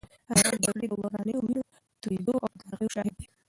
هر افغان د جګړې د ورانیو، وینو تویېدو او بدمرغیو شاهد دی.